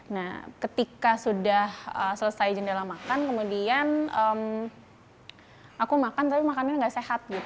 nah ketika sudah selesai jendela makan kemudian aku makan tapi makannya nggak sehat